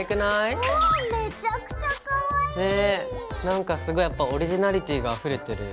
なんかすごいやっぱオリジナリティーがあふれてる。